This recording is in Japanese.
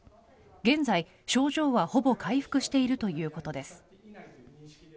現在、症状はほぼ回復しているということです。